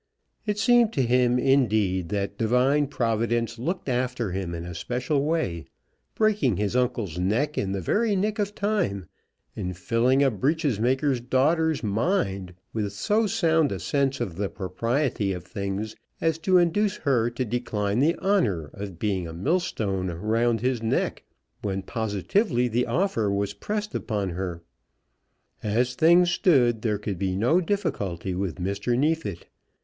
It seemed to him, indeed, that divine Providence looked after him in a special way, breaking his uncle's neck in the very nick of time, and filling a breeches maker's daughter's mind with so sound a sense of the propriety of things, as to induce her to decline the honour of being a millstone round his neck, when positively the offer was pressed upon her. As things stood there could be no difficulty with Mr. Neefit.